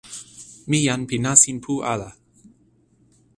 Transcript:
mi jan pi nasin pu ala.